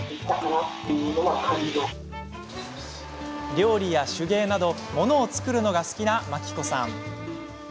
料理や手芸など物を作るのが好きな真希子さん。